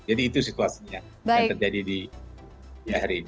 jadi itu situasinya yang terjadi di hari ini